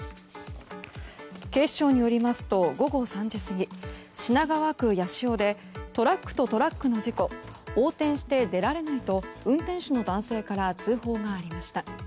警視庁によりますと午後３時過ぎ品川区八潮でトラックとトラックの事故横転して出られないと運転手の男性から通報がありました。